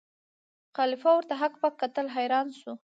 خلیفه ورته هک پک کتل حیران سو